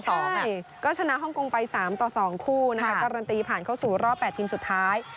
ก็ชนะฮ่องกงไป๓ต่อ๒คู่นะคะการันตีผ่านเข้าสู่รอบ๘ทีมสุดท้าย